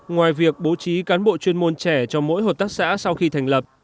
ngoài việc bố trí cán bộ chuyên môn trẻ cho mỗi hợp tác xã sau khi thành lập